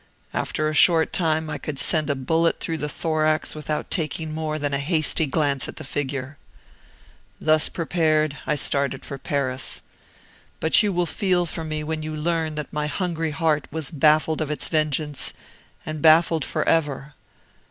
After a short time I could send a bullet through the thorax without taking more than a hasty glance at the figure. "Thus prepared, I started for Paris. But you will feel for me when you learn that my hungry heart was baffled of its vengeance, and baffled for ever.